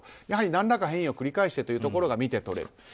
やはり何らかの変異を繰り返してというところが見て取れる。